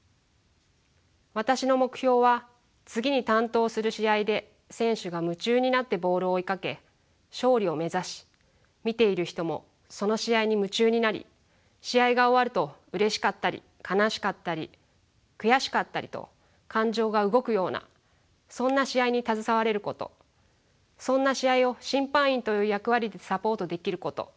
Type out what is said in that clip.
私の目標は次に担当する試合で選手が夢中になってボールを追いかけ勝利を目指し見ている人もその試合に夢中になり試合が終わるとうれしかったり悲しかったり悔しかったりと感情が動くようなそんな試合に携われることそんな試合を審判員という役割でサポートできること。